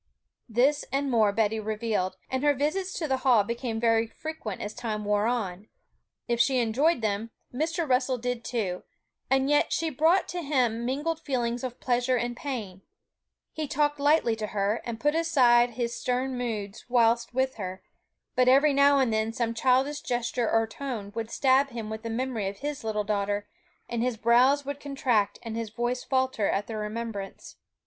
This and more Betty revealed; and her visits to the Hall became very frequent as time wore on. If she enjoyed them, Mr. Russell did too, and yet she brought to him mingled feelings of pleasure and pain. He talked lightly to her, and put aside his stern moods whilst with her; but every now and then some childish gesture or tone would stab him with the memory of his little daughter, and his brows would contract and his voice falter at the remembrance.